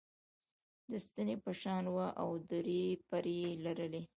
د ستنې په شان وه او درې پرې یي لرلې.